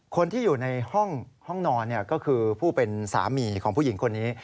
คนที่อยู่ในห้องนอนก็คือผู้เป็นสามีของผู้หญิงคนนี้